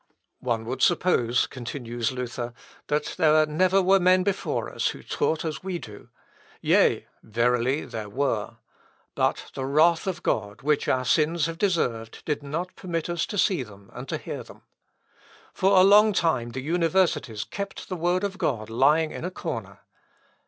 "One would suppose," continues Luther, "that there never were men before us who taught as we do; yea, verily, there were. But the wrath of God, which our sins have deserved, did not permit us to see them, and to hear them. For a long time the universities kept the word of God lying in a corner.